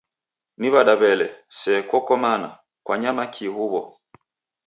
Ni wada wele, se koko mana kwanyama kii huwo?